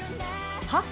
「はっ？」